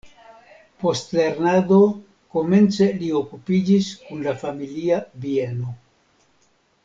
Post lernado komence li okupiĝis kun la familia bieno.